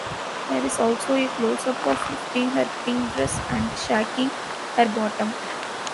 There is also a close-up of lifting her pink dress and shaking her bottom.